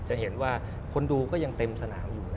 จะเห็นว่าคนดูก็ยังเต็มสนามอยู่